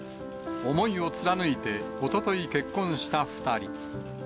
思いを貫いて、おととい結婚した２人。